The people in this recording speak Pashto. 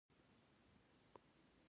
کابل د افغانانو د ګټورتیا برخه ده.